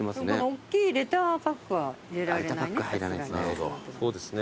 おっきいレターパックは入れられないね。